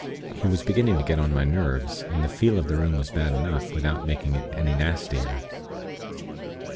He was beginning to get on my nerves, and the 'feel' of the room was bad enough, without making it any nastier.